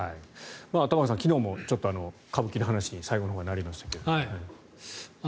玉川さん、昨日も歌舞伎の話に最後のほう、なりましたが。